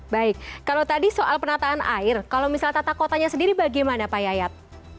baik kalau tadi soal penataan air kalau misalnya tata kotanya sendiri bagaimana pak yayat